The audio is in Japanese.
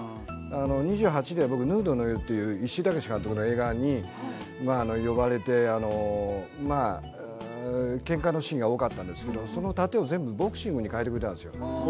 ２８で「ヌードの夜」という石井隆監督の映画に呼ばれてけんかのシーンが多かったんですけどその殺陣をボクシングに変えてくれたんです。